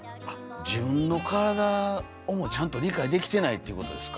自分の体をもちゃんと理解できてないっていうことですか。